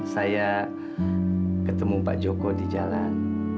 saya ketemu pak joko di jalan